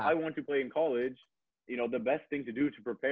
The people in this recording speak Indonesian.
yang terbaik buat gue siapin adalah ngobrol sama